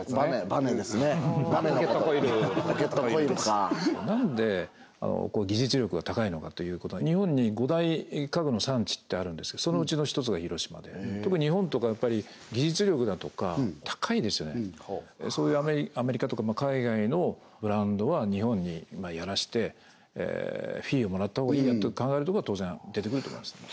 バネのことポケットコイルポケットコイルか何で技術力が高いのかということは日本に五大家具の産地ってあるんですけどそのうちの１つが広島で特に日本とかはやっぱり技術力だとか高いですよねアメリカとか海外のブランドは日本にやらしてフィーをもらった方がいいやと考えるところは当然出てくると思いますね